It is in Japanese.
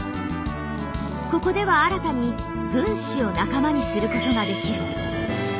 ここでは新たに軍師を仲間にすることができる。